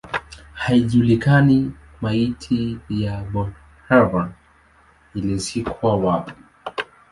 Haijulikani maiti ya Bonhoeffer ilizikwa wapi.